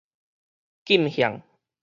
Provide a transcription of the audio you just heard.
禁向